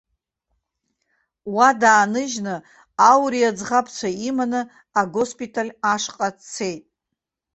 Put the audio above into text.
Уа дааныжьны, ауриа ӡӷабцәа иманы агоспиталь ашҟа дцеит.